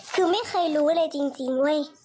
คือไม่เคยรู้เลยจริงเว้ย